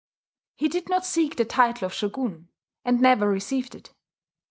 He did not seek the title of shogun, and never received it.